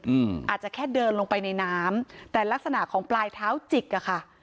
อืมอาจจะแค่เดินลงไปในน้ำแต่ลักษณะของปลายเท้าจิกอ่ะค่ะ